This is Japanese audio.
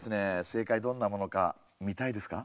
正解どんなものか見たいですか？